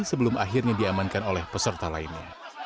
sebelum akhirnya diamankan oleh peserta lainnya